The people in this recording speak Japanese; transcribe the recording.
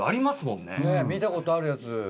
ねっ見たことあるやつ。